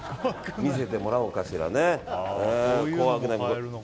見せてもらおうかしらね。